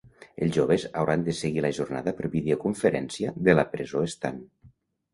Els joves hauran de seguir la jornada per videoconferència de la presó estant.